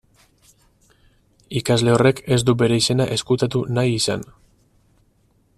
Ikasle horrek ez du bere izena ezkutatu nahi izan.